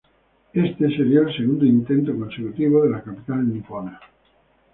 Este sería el segundo intento consecutivo de la capital nipona.